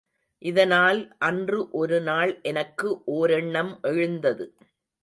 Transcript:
இதனால் அன்று ஒருநாள் எனக்கு ஓரெண்ணம் எழுந்தது.